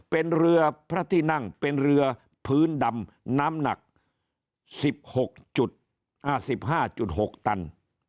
เป็นเรือพระที่นั่งเป็นเรือพื้นดำน้ำหนัก๑๖๕๕๖ตัน